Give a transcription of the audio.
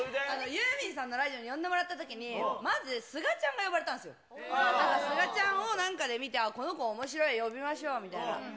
ユーミンさんのラジオに呼んでもらったときに、まずすがちゃんが呼ばれたんですよ、すがちゃんをなんかで見て、この子おもしろいよ、呼びましょう見たいな。